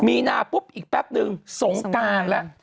มีนาปุ๊บอีกแป๊บนึงสงการแล้ว